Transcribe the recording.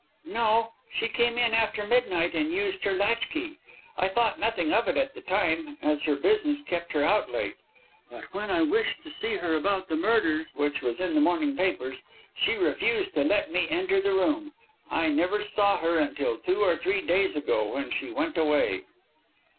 "No, she came in after midnight and used her latchkey. I thought nothing of it at the time, as her business kept her out late. But when I wished to see her about the murder, which was in the morning papers, she refused to let me enter the room. I never saw her until two or three days ago, when she went away."